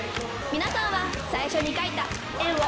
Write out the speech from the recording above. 皆さんは最初に書いた円を